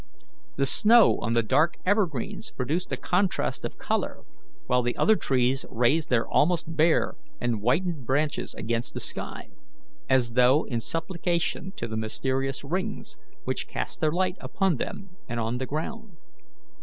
The snow on the dark evergreens produced a contrast of colour, while the other trees raised their almost bare and whitened branches against the sky, as though in supplication to the mysterious rings, which cast their light upon them and on the ground.